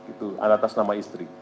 itu atas nama istri